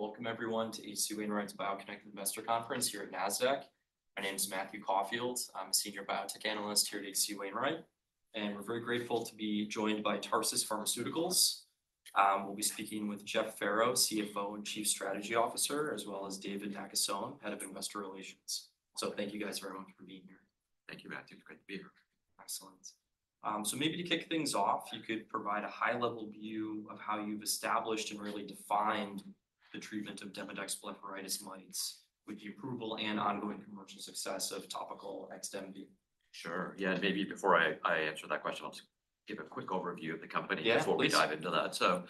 All right. Welcome everyone to H.C. Wainwright's BioConnect investor conference here at Nasdaq. My name's Matthew Caufield. I'm a Senior Biotech Analyst here at H.C. Wainwright, we're very grateful to be joined by Tarsus Pharmaceuticals. We'll be speaking with Jeff Farrow, CFO and Chief Strategy Officer, as well as David Nakasone, Head of Investor Relations. Thank you guys very much for being here. Thank you, Matthew. Great to be here. Excellent. maybe to kick things off, you could provide a high level view of how you've established and really defined the treatment of Demodex blepharitis mites with the approval and ongoing commercial success of topical XDEMVY. Sure, yeah. Maybe before I answer that question, I'll just give a quick overview of the company. Yeah, please. Before we dive into that.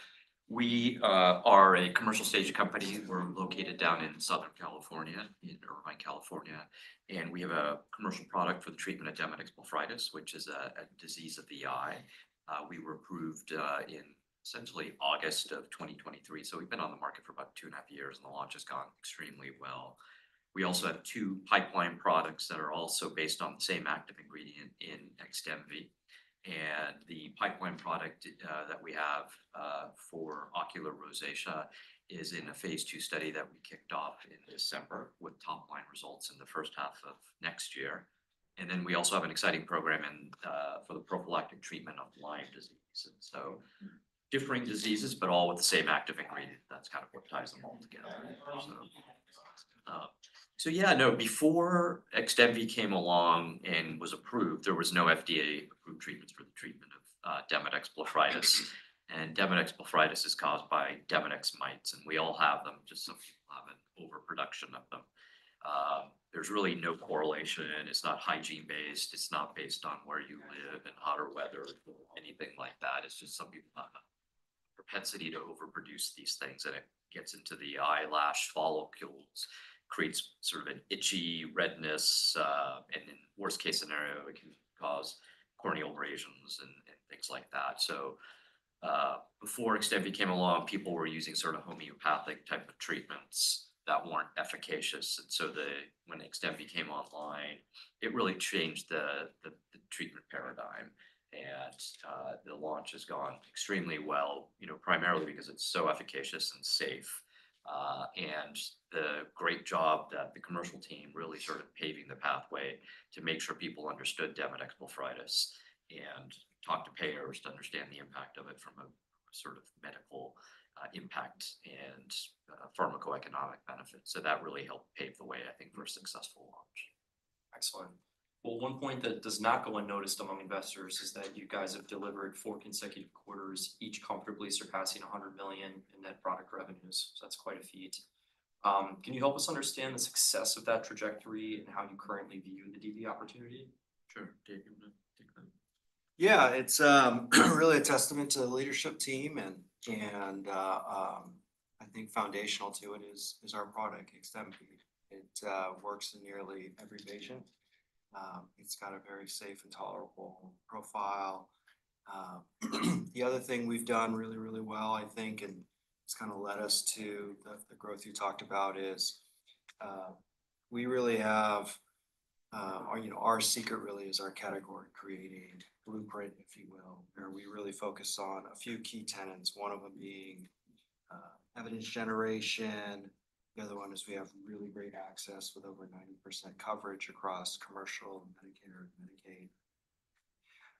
We are a commercial stage company. We're located down in Southern California, in Irvine, California, and we have a commercial product for the treatment of Demodex blepharitis, which is a disease of the eye. We were approved in essentially August of 2023, so we've been on the market for about 2.5 years, and the launch has gone extremely well. We also have two pipeline products that are also based on the same active ingredient in XDEMVY. The pipeline product that we have for ocular rosacea is in a phase II study that we kicked off in December with top-line results in the first half of next year. We also have an exciting program for the prophylactic treatment of Lyme disease. Differing diseases, but all with the same active ingredient. That's kind of what ties them all together, so. Before XDEMVY came along and was approved, there was no FDA-approved treatments for the treatment of Demodex blepharitis, and Demodex blepharitis is caused by Demodex mites, and we all have them, just some people have an overproduction of them. There's really no correlation. It's not hygiene-based. It's not based on where you live, in hotter weather, anything like that. It's just some people have a propensity to overproduce these things, and it gets into the eyelash follicles, creates sort of an itchy redness, and in worst case scenario, it can cause corneal abrasions and things like that. Before XDEMVY came along, people were using sort of homeopathic type of treatments that weren't efficacious. When XDEMVY came online, it really changed the, the treatment paradigm. The launch has gone extremely well, you know, primarily because it's so efficacious and safe. The great job that the commercial team really sort of paving the pathway to make sure people understood Demodex blepharitis and talked to payers to understand the impact of it from a sort of medical impact and pharmacoeconomic benefit. That really helped pave the way, I think, for a successful launch. Excellent. Well, one point that does not go unnoticed among investors is that you guys have delivered four consecutive quarters, each comfortably surpassing $100 million in net product revenues. That's quite a feat. Can you help us understand the success of that trajectory and how you currently view the DB opportunity? Sure. David, you wanna take that? Yeah. It's really a testament to the leadership team and I think foundational to it is our product, XDEMVY. It works in nearly every patient. It's got a very safe and tolerable profile. The other thing we've done really well, I think, and it's kinda led us to the growth you talked about is we really have, you know, our secret really is our category-creating blueprint, if you will, where we really focus on a few key tenets, one of them being evidence generation. The other one is we have really great access with over 90% coverage across commercial, Medicare,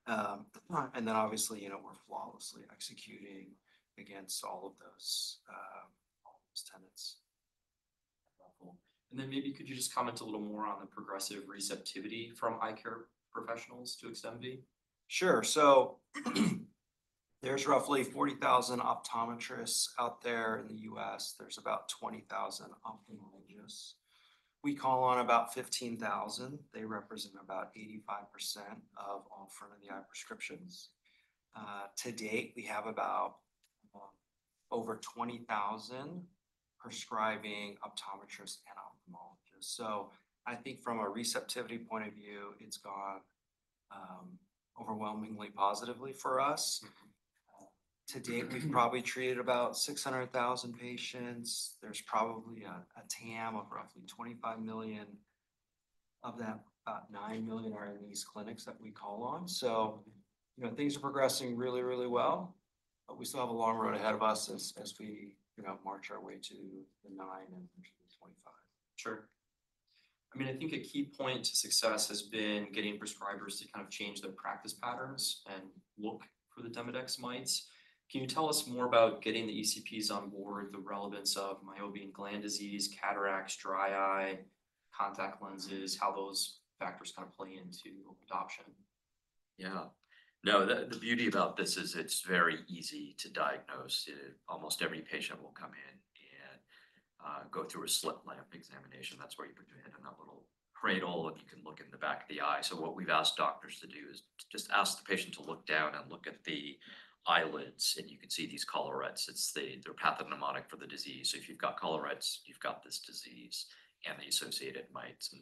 and Medicaid. Obviously, you know, we're flawlessly executing against all of those, all those tenets. Cool. Then maybe could you just comment a little more on the progressive receptivity from eye care professionals to XDEMVY? Sure. There's roughly 40,000 optometrists out there in the U.S. There's about 20,000 ophthalmologists. We call on about 15,000. They represent about 85% of all front-of-the-eye prescriptions. To date, we have about over 20,000 prescribing optometrists and ophthalmologists. I think from a receptivity point of view, it's gone overwhelmingly positively for us. To date, we've probably treated about 600,000 patients. There's probably a TAM of roughly 25 million. Of that, about 9 million are in these clinics that we call on. You know, things are progressing really, really well, but we still have a long road ahead of us as we, you know, march our way to the 9 million and 25 million. Sure. I mean, I think a key point to success has been getting prescribers to kind of change their practice patterns and look for the Demodex mites. Can you tell us more about getting the ECPs on board, the relevance of Meibomian gland disease, cataracts, dry eye, contact lenses, how those factors kind of play into adoption? Yeah. No, the beauty about this is it's very easy to diagnose. Almost every patient will come in and go through a slit lamp examination. That's where you put your head in that little cradle, and you can look in the back of the eye. What we've asked doctors to do is to just ask the patient to look down and look at the eyelids, and you can see these collarettes. They're pathognomonic for the disease. If you've got collarettes, you've got this disease and the associated mites.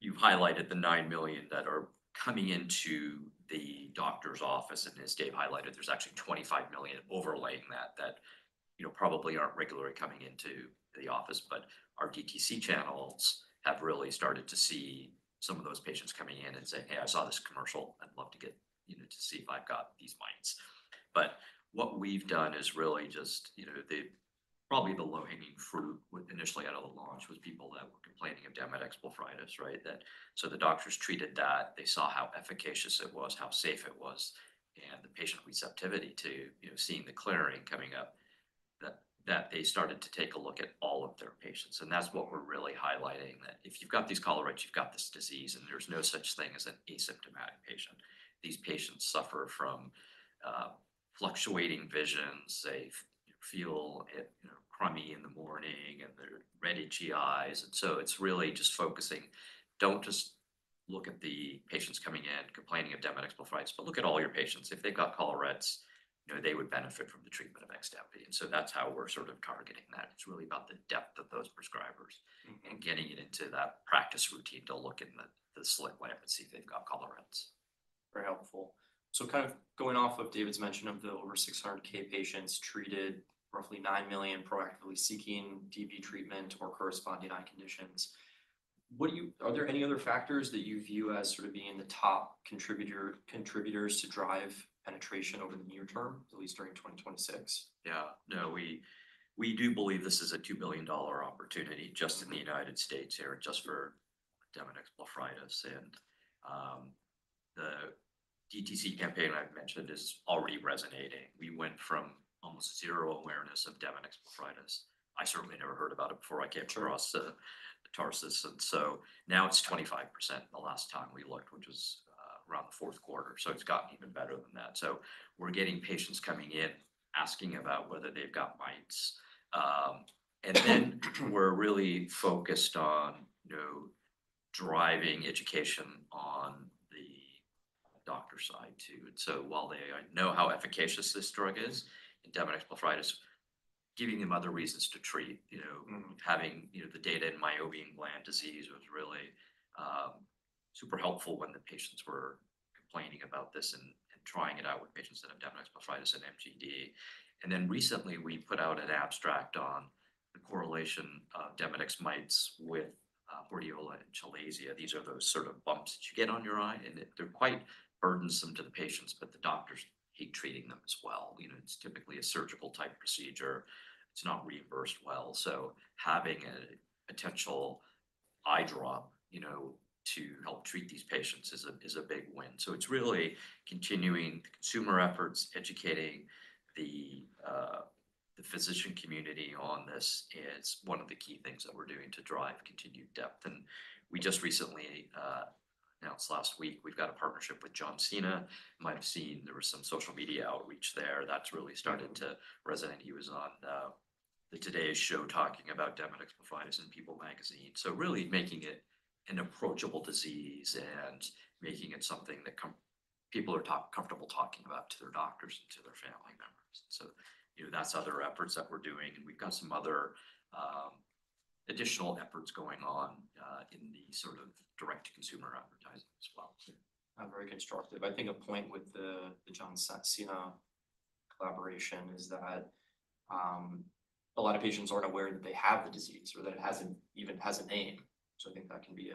You've highlighted the 9 million that are coming into the doctor's office, and as Dave highlighted, there's actually 25 million overlaying that, you know, probably aren't regularly coming into the office. Our DTC channels have really started to see some of those patients coming in and saying, "Hey, I saw this commercial. I'd love to get, you know, to see if I could-" These mites. What we've done is really just, you know, probably the low-hanging fruit with initially out of the launch was people that were complaining of Demodex blepharitis, right? The doctors treated that, they saw how efficacious it was, how safe it was, and the patient receptivity to, you know, seeing the clearing coming up, they started to take a look at all of their patients. That's what we're really highlighting, that if you've got these collarettes, you've got this disease, and there's no such thing as an asymptomatic patient. These patients suffer from fluctuating vision, they feel it, you know, crummy in the morning, and their red, itchy eyes. It's really just focusing, don't just look at the patients coming in complaining of Demodex blepharitis, but look at all your patients. If they've got collarettes, you know, they would benefit from the treatment of XDEMVY. That's how we're sort of targeting that. It's really about the depth of those prescribers. Getting it into that practice routine to look in the slit lamp and see if they've got collarettes. Very helpful. Kind of going off of David's mention of the over 600K patients treated, roughly 9 million proactively seeking DB treatment or corresponding eye conditions, Are there any other factors that you view as sort of being the top contributors to drive penetration over the near term, at least during 2026? We do believe this is a $2 billion opportunity just in the U.S. here, just for Demodex blepharitis. The DTC campaign I've mentioned is already resonating. We went from almost zero awareness of Demodex blepharitis. I certainly never heard about it before I came to rosacea, Tarsus. Now it's 25% the last time we looked, which was around the fourth quarter, so it's gotten even better than that. We're getting patients coming in asking about whether they've got mites. We're really focused on, you know, driving education on the doctor side too. While they know how efficacious this drug is in Demodex blepharitis, giving them other reasons to treat, you know. Having, you know, the data in Meibomian gland disease was really super helpful when the patients were complaining about this and trying it out with patients that have Demodex blepharitis and MGD. Recently we put out an abstract on the correlation of Demodex mites with hordeola and chalazia. These are those sort of bumps that you get on your eye, they're quite burdensome to the patients, the doctors hate treating them as well. You know, it's typically a surgical type procedure. It's not reimbursed well. Having a potential eye drop, you know, to help treat these patients is a big win. It's really continuing the consumer efforts, educating the physician community on this is one of the key things that we're doing to drive continued depth. We just recently announced last week we've got a partnership with John Cena. Might have seen there was some social media outreach there. That's really started to resonate. He was on the Today Show talking about Demodex blepharitis in People Magazine. Really making it an approachable disease and making it something that people are comfortable talking about to their doctors and to their family members. You know, that's other efforts that we're doing, and we've got some other additional efforts going on in the sort of direct consumer advertising as well. Yeah. Very constructive. I think a point with the John Cena collaboration is that a lot of patients aren't aware that they have the disease or that it hasn't even has a name. I think that can be.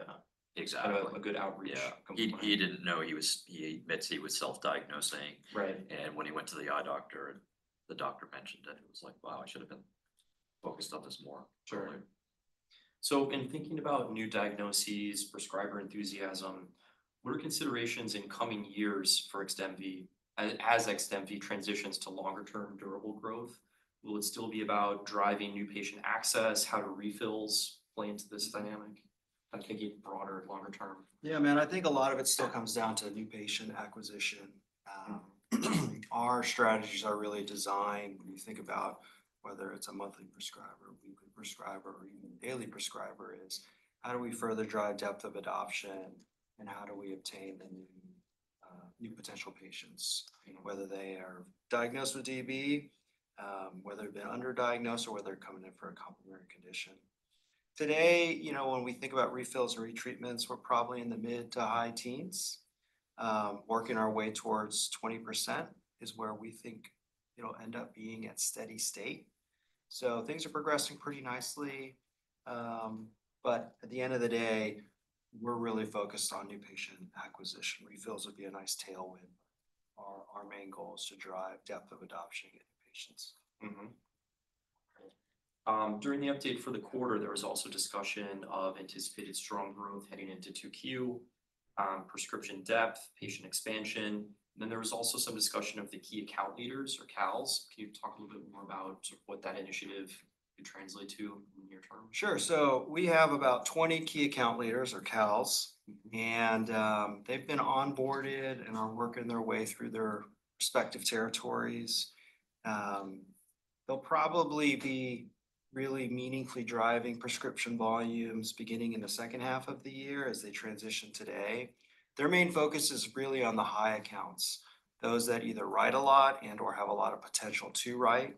Exactly. A good outreach component. Yeah. He didn't know. He admits he was self-diagnosing. Right. When he went to the eye doctor, the doctor mentioned it, and he was like, Wow, I should have been focused on this more. Certainly. In thinking about new diagnoses, prescriber enthusiasm, what are considerations in coming years for XDEMVY as XDEMVY transitions to longer-term durable growth? Will it still be about driving new patient access? How do refills play into this dynamic? I'm thinking broader, longer term. Yeah, man, I think a lot of it still comes down to new patient acquisition. Our strategies are really designed when you think about whether it's a monthly prescriber, weekly prescriber, or even daily prescriber, is how do we further drive depth of adoption, and how do we obtain the new potential patients? You know, whether they are diagnosed with DB, whether they're underdiagnosed, or whether they're coming in for a complementary condition. Today, you know, when we think about refills or retreatments, we're probably in the mid to high teens. Working our way towards 20% is where we think it'll end up being at steady state. Things are progressing pretty nicely. At the end of the day, we're really focused on new patient acquisition. Refills would be a nice tailwind, but our main goal is to drive depth of adoption in patients. Mm-hmm. During the update for the quarter, there was also discussion of anticipated strong growth heading into 2Q, prescription depth, patient expansion. There was also some discussion of the key account leaders or KALs. Can you talk a little bit more about what that initiative could translate to in the near term? Sure. We have about 20 Key Account Leaders or KALs, and they've been onboarded and are working their way through their respective territories. They'll probably be really meaningfully driving prescription volumes beginning in the second half of the year as they transition today. Their main focus is really on the high accounts, those that either write a lot and/or have a lot of potential to write.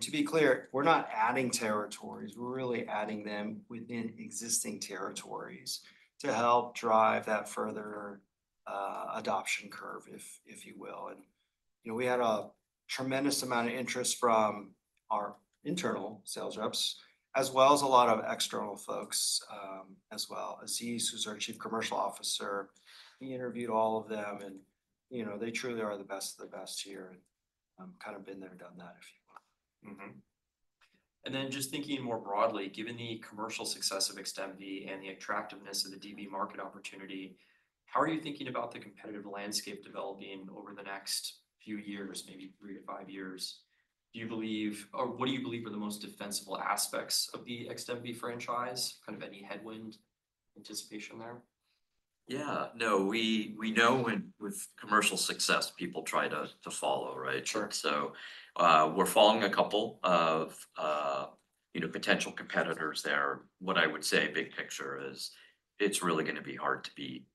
To be clear, we're not adding territories. We're really adding them within existing territories to help drive that further adoption curve if you will. You know, we had a Tremendous amount of interest from our internal sales reps, as well as a lot of external folks, as well. Aziz, who's our Chief Commercial Officer, he interviewed all of them, and, you know, they truly are the best of the best here, and, kind of been there, done that, if you will. Mm-hmm. Then just thinking more broadly, given the commercial success of XDEMVY and the attractiveness of the DB market opportunity, how are you thinking about the competitive landscape developing over the next few years, maybe three to five years? Do you believe or what do you believe are the most defensible aspects of the XDEMVY franchise, kind of any headwind anticipation there? Yeah. No, we know when, with commercial success, people try to follow, right? Sure. We're following a couple of, you know, potential competitors there. What I would say big picture is it's really gonna be hard to beat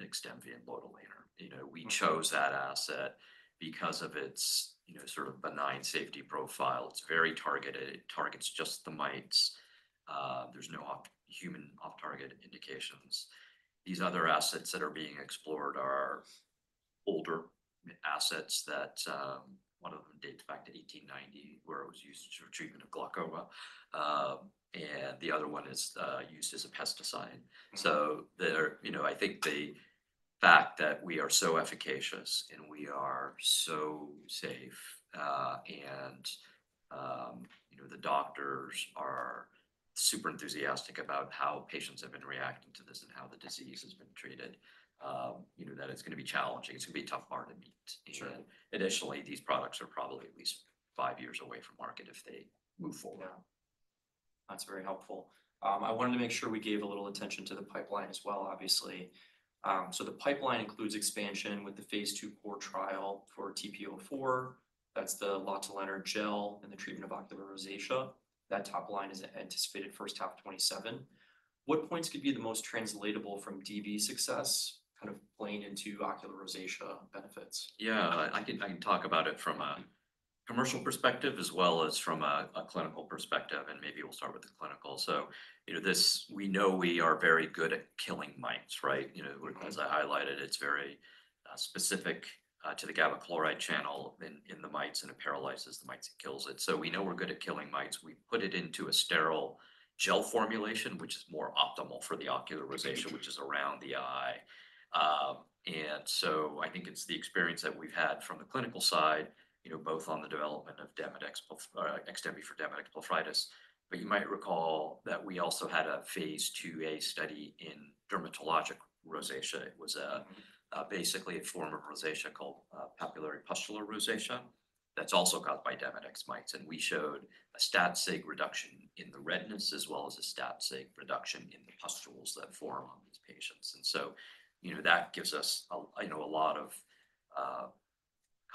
XDEMVY and lotilaner. You know, we chose that asset because of its, you know, sort of benign safety profile. It's very targeted. It targets just the mites. There's no off-human, off-target indications. These other assets that are being explored are older assets that one of them dates back to 1890, where it was used for treatment of glaucoma. The other one is used as a pesticide. They're You know, I think the fact that we are so efficacious, and we are so safe, and, you know, the doctors are super enthusiastic about how patients have been reacting to this and how the disease has been treated, you know, that it's gonna be challenging. It's gonna be a tough bar to beat. Sure. Additionally, these products are probably at least five years away from market if they move forward. Yeah. That's very helpful. I wanted to make sure we gave a little attention to the pipeline as well, obviously. The pipeline includes expansion with the phase II core trial for TP-04. That's the lotilaner gel in the treatment of ocular rosacea. That top line is anticipated first half 2027. What points could be the most translatable from DB success kind of playing into ocular rosacea benefits? Yeah. I can talk about it from a commercial perspective as well as from a clinical perspective, and maybe we'll start with the clinical. You know, this, we know we are very good at killing mites, right? You know, as I highlighted, it's very specific to the GABA-gated chloride channel in the mites, and it paralyzes the mites and kills it. We know we're good at killing mites. We put it into a sterile gel formulation, which is more optimal for the ocular rosacea which is around the eye. I think it's the experience that we've had from the clinical side, you know, both on the development of Demodex, XDEMVY for Demodex blepharitis. You might recall that we also had a phase IIa study in dermatologic rosacea. Basically a form of rosacea called papulopustular rosacea that's also caused by Demodex mites. We showed a stat sig reduction in the redness as well as a stat sig reduction in the pustules that form on these patients. You know, that gives us a, you know, a lot of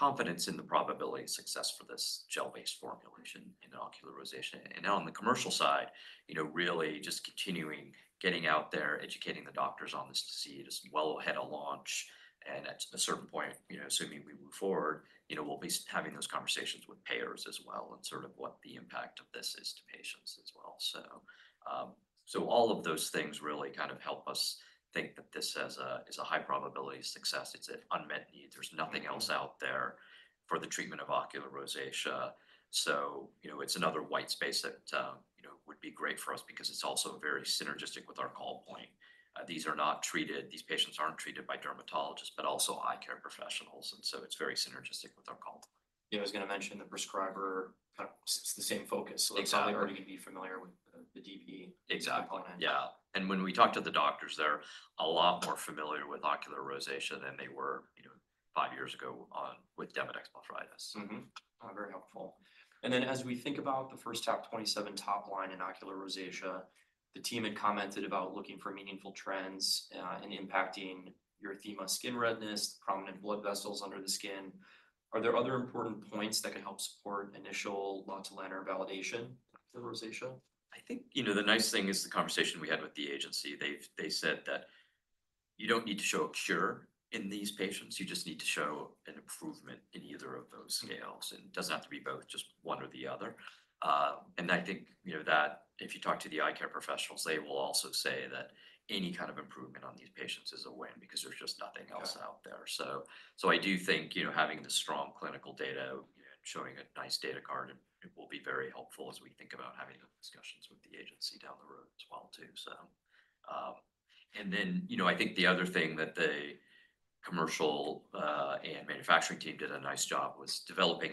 confidence in the probability of success for this gel-based formulation in ocular rosacea. On the commercial side, you know, really just continuing getting out there, educating the doctors on this disease well ahead of launch. At a certain point, you know, assuming we move forward, you know, we'll be having those conversations with payers as well and sort of what the impact of this is to patients as well. All of those things really kind of help us think that this as a high probability of success. It's an unmet need. There's nothing else out there for the treatment of ocular rosacea. You know, it's another white space that, you know, would be great for us because it's also very synergistic with our call point. These patients aren't treated by dermatologists, but also Eye Care Professionals, and so it's very synergistic with our call point. Yeah, I was gonna mention the prescriber, kind of it's the same focus. Exactly. They probably already going to be familiar with the DB. Exactly. Yeah. When we talk to the doctors, they're a lot more familiar with ocular rosacea than they were, you know, five years ago with Demodex blepharitis. Mm-hmm. Very helpful. As we think about the first half 2027 top line in ocular rosacea, the team had commented about looking for meaningful trends in impacting erythema skin redness, prominent blood vessels under the skin. Are there other important points that could help support initial lotilaner validation for rosacea? I think, you know, the nice thing is the conversation we had with the agency. They said that you don't need to show a cure in these patients. You just need to show an improvement in either of those scales, and it doesn't have to be both, just one or the other. I think, you know, that if you talk to the eye care professionals, they will also say that any kind of improvement on these patients is a win because there's just nothing else out there. I do think, you know, having the strong clinical data, you know, showing a nice data card, it will be very helpful as we think about having those discussions with the agency down the road as well too. I think the other thing that the commercial and manufacturing team did a nice job was developing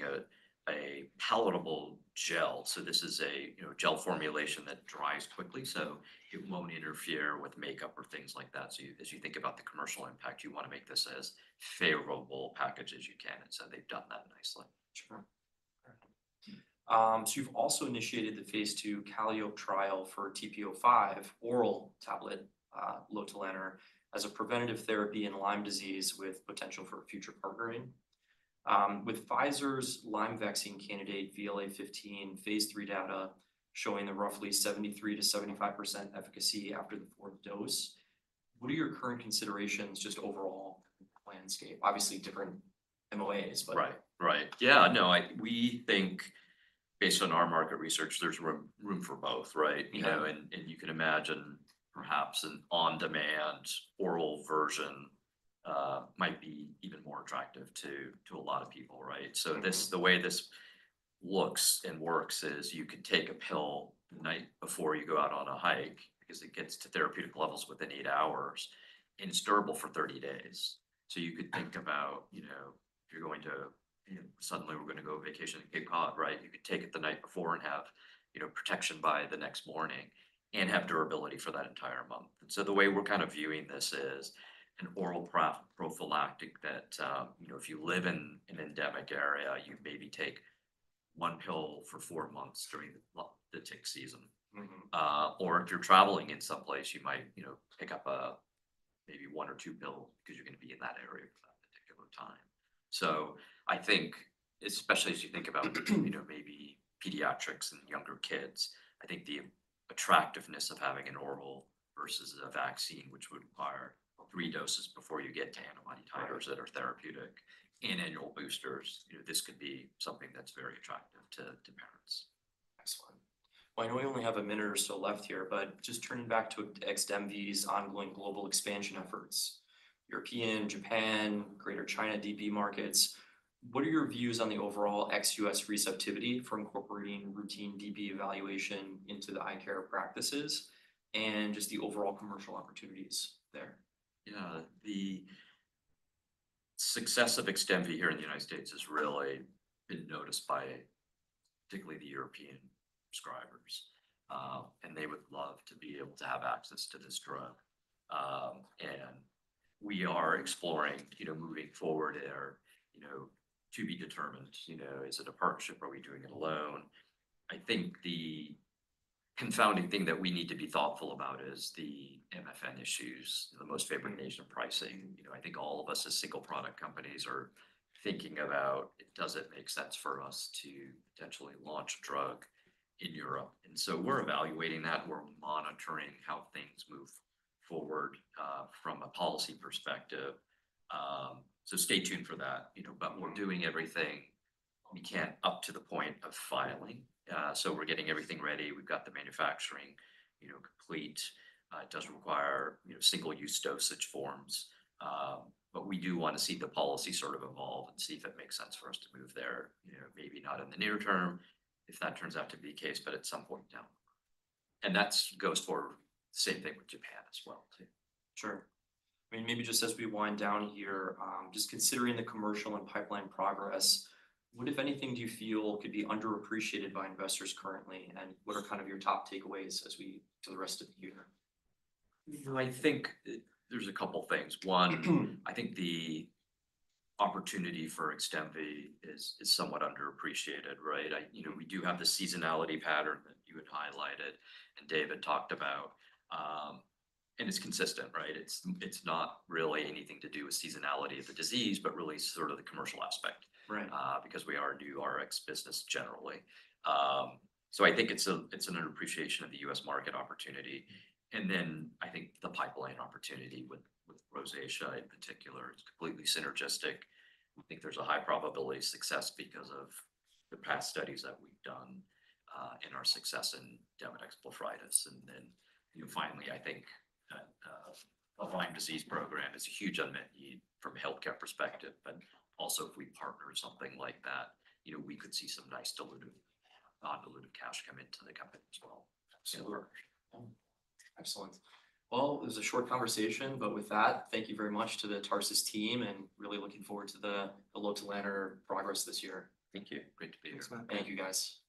a palatable gel. This is a, you know, gel formulation that dries quickly, so it won't interfere with makeup or things like that. As you think about the commercial impact, you wanna make this as favorable package as you can, they've done that nicely. Sure. You've also initiated the phase II Calliope trial for TP-05 oral tablet, lotilaner, as a preventative therapy in Lyme disease with potential for future partnering. With Pfizer's Lyme vaccine candidate VLA15 phase III data showing a roughly 73%-75% efficacy after the fourth dose, what are your current considerations just overall landscape? Obviously different MOAs. Right. Right. Yeah, no, Based on our market research, there's room for both, right? Yeah. You know, you can imagine perhaps an on-demand oral version might be even more attractive to a lot of people, right? This, the way this looks and works is you could take a pill the night before you go out on a hike because it gets to therapeutic levels within eight hours, and it's durable for 30 days. You could think about, you know, if you're going to, you know, suddenly we're gonna go vacation in Cape Cod, right? You could take it the night before and have, you know, protection by the next morning and have durability for that entire month. The way we're kind of viewing this is an oral prophylactic that, you know, if you live in an endemic area, you maybe take one pill for four months during the, well, the tick season. If you're traveling in some place, you might, you know, pick up a maybe one or two pills 'cause you're gonna be in that area for that particular time. I think, especially as you think about, you know, maybe pediatrics and younger kids, I think the attractiveness of having an oral versus a vaccine, which would require three doses before you get to antibody titers that are therapeutic and annual boosters, you know, this could be something that's very attractive to parents. Excellent. Well, I know we only have a minute or so left here, just turning back to XDEMVY's ongoing global expansion efforts, European, Japan, Greater China DB markets, what are your views on the overall ex-U.S. receptivity for incorporating routine DB evaluation into the eye care practices and just the overall commercial opportunities there? The success of XDEMVY here in the U.S. has really been noticed by particularly the European prescribers. They would love to be able to have access to this drug. We are exploring, you know, moving forward or, you know, to be determined, you know, is it a partnership? Are we doing it alone? I think the confounding thing that we need to be thoughtful about is the MFN issues, the Most Favored Nation pricing. You know, I think all of us as single product companies are thinking about does it make sense for us to potentially launch a drug in Europe? We're evaluating that. We're monitoring how things move forward from a policy perspective. Stay tuned for that, you know, but we're doing everything we can up to the point of filing. We're getting everything ready. We've got the manufacturing, you know, complete. It does require, you know, single use dosage forms. We do wanna see the policy sort of evolve and see if it makes sense for us to move there. You know, maybe not in the near term if that turns out to be the case, but at some point down the road. That's goes for the same thing with Japan as well too. Sure. I mean, maybe just as we wind down here, just considering the commercial and pipeline progress, what, if anything, do you feel could be underappreciated by investors currently, and what are kind of your top takeaways as we to the rest of the year? You know, I think there's a couple things. One, I think the opportunity for XDEMVY is somewhat underappreciated, right? You know, we do have the seasonality pattern that you had highlighted and David talked about, and it's consistent, right? It's not really anything to do with seasonality of the disease, but really sort of the commercial aspect. Right. Because we are a new Rx business generally. I think it's a, it's an underappreciation of the U.S. market opportunity. I think the pipeline opportunity with rosacea in particular is completely synergistic. I think there's a high probability of success because of the past studies that we've done, and our success in Demodex blepharitis. You know, finally, I think a Lyme disease program is a huge unmet need from a healthcare perspective, but also if we partner something like that, you know, we could see some nice dilutive, non-dilutive cash come into the company as well. Absolutely. Excellent. Well, it was a short conversation, but with that, thank you very much to the Tarsus team, and really looking forward to the lotilaner progress this year. Thank you. Great to be here. Thanks, man. Thank you, guys. Thanks.